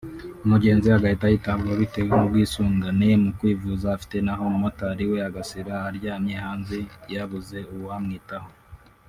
umugenzi agahita yitabwaho bitewe n’ubwisungane mu kwivuza afite naho Umumotari we agasira aryamye hanze yabuze uwamwitaho